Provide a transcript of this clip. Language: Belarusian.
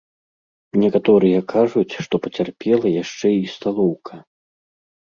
Некаторыя кажуць, што пацярпела яшчэ і сталоўка.